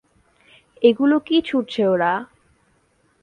এগুলো কী ছুঁড়ছে ওরা?